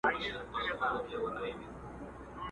راووزه جهاني په خلوتونو پوره نه سوه!